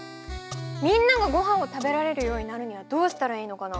みんながごはんを食べられるようになるにはどうしたらいいのかな？